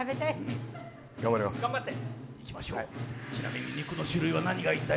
ちなみに肉の種類は何がいいんだい？